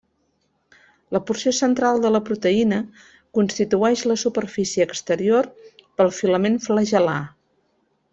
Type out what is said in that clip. La porció central de la proteïna constitueix la superfície exterior pel filament flagel·lar.